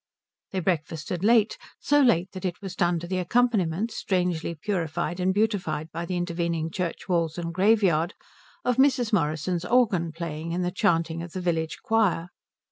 They breakfasted late; so late that it was done to the accompaniment, strangely purified and beautified by the intervening church walls and graveyard, of Mrs. Morrison's organ playing and the chanting of the village choir.